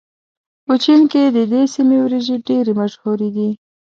په چين کې د دې سيمې وريجې ډېرې مشهورې دي.